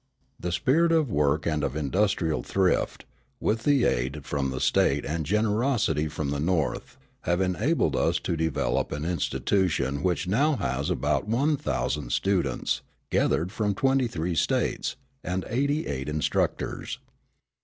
The spirit of work and of industrial thrift, with aid from the State and generosity from the North, have enabled us to develop an institution which now has about one thousand students, gathered from twenty three States, and eighty eight instructors.